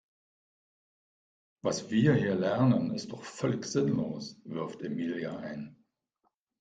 Was wir hier lernen ist doch völlig sinnlos, wirft Emilia ein.